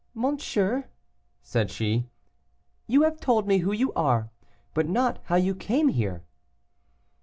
"Monsieur," said she, "you have told me who you are, but not how you came here."